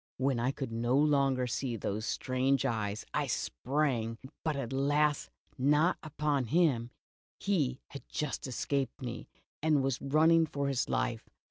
When I could no longer see those strange eyes, I sprang, but alas, not upon him! He had 72 The Tiger on the Hudson. just escaped me, and was running for his life.